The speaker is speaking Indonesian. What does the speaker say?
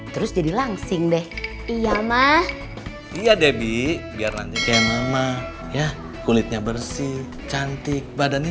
terus jadi langsing deh iya mah iya debbie biar nanti kayak mama ya kulitnya bersih cantik badannya